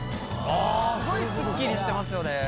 すごいスッキリしてますよね。